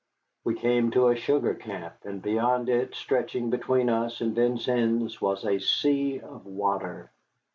We came to a sugar camp, and beyond it, stretching between us and Vincennes, was a sea of water.